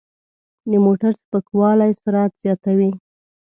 د موټر سپکوالی سرعت زیاتوي.